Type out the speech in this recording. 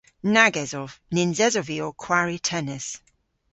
Nag esov. Nyns esov vy ow kwari tennis.